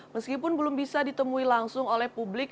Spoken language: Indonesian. meskipun belum bisa ditemui langsung oleh publik